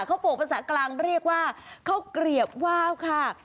เขาโปรกภาษากลางเรียกว่าข้าวเกลียบว่าวค่ะ